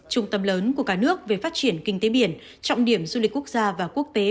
trung tâm lớn của cả nước về phát triển kinh tế biển trọng điểm du lịch quốc gia và quốc tế